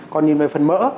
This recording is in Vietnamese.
còn nhìn về phần mỡ